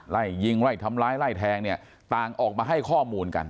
ไล่ยิงไล่ทำร้ายไล่แทงเนี่ยต่างออกมาให้ข้อมูลกัน